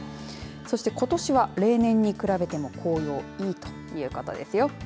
そして、ことしは例年に比べても紅葉いいということですよ。